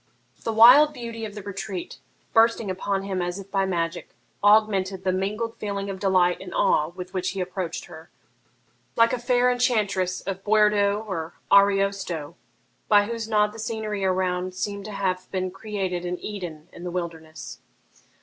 The wild beauty of the retreat, bursting upon him as if by magic, augmented the mingled feeling of delight and awe with which he approached her, like a fair enchantress of Boiardo or Ariosto, by whose nod the scenery around seemed to have been created an Eden in the wilderness.